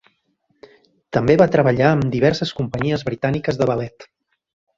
També va treballar amb diverses companyies britàniques de ballet.